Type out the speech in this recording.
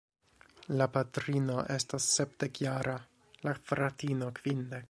La patrino estas sepdekjara, la fratino kvindek.